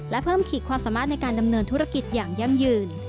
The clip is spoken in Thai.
และเพิ่มขีดความสามารถในการดำเนินธุรกิจอย่างยั่งยืน